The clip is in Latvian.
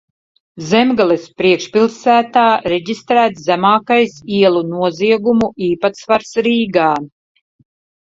Zemgales priekšpilsētā reģistrēts zemākais ielu noziegumu īpatsvars Rīgā.